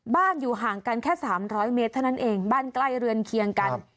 อยู่ห่างกันแค่๓๐๐เมตรเท่านั้นเองบ้านใกล้เรือนเคียงกัน